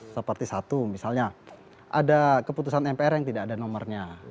seperti satu misalnya ada keputusan mpr yang tidak ada nomornya